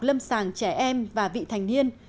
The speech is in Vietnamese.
lâm sàng trẻ em và vị thành niên